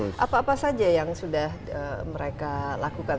jadi ini adalah perkembangan yang sudah mereka lakukan